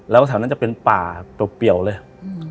แล้วแถวนั้นจะเป็นป่าเปลี่ยวเลย